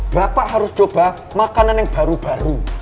bapak harus coba makanan yang baru baru